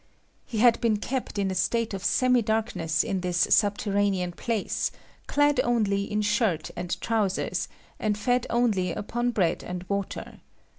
He had been kept in a state of semi darkness in this subterranean place, clad only in shirt and trousers, and fed only upon bread and water.